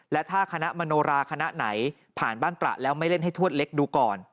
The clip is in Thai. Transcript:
และถ้าคณะมโนราคณะไหนผ่านบ้านตระแล้วไม่เล่นให้ทวดเล็กดูก่อน